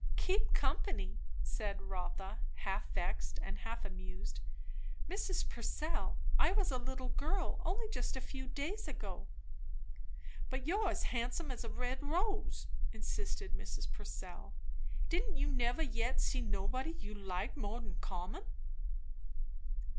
"Keep company!" said Rotha, half vexed and half amused. "Mrs. Purcell, I was a little girl only just a few days ago." "But you're as handsome as a red rose," insisted Mrs. Purcell. "Didn't you never yet see nobody you liked more 'n common?"